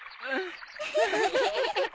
フフフフ。